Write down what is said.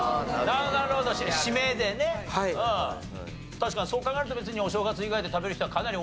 確かにそう考えると別にお正月以外で食べる人はかなり多いんじゃないかと。